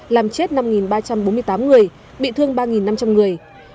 làm chết năm ba trăm bốn mươi tám người bị thương ba năm trăm linh người